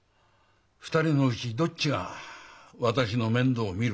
２人のうちどっちが私の面倒を見るか。